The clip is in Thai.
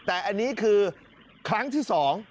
แต่อันนี้คือครั้งที่๒